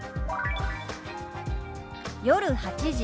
「夜８時」。